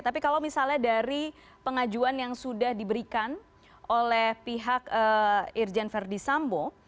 tapi kalau misalnya dari pengajuan yang sudah diberikan oleh pihak irjen verdi sambo